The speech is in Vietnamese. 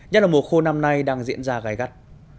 nhất là mùa khô năm nay đang diễn ra gai gắt